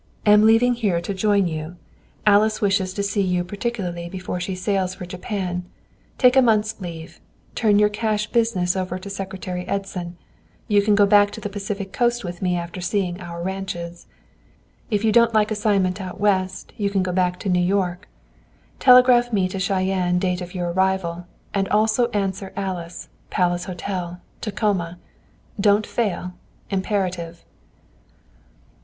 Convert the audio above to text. Am leaving here to join you. Alice wishes to see you particularly before she sails for Japan. Take a month's leave. Turn your cash business over to Secretary Edson. You can go back to Pacific Coast with me after seeing our ranches. If you don't like assignment out West, you can go back to New York. Telegraph me to Cheyenne date of your arrival, and also answer Alice. Palace Hotel, Tacoma. Don't fail. Imperative."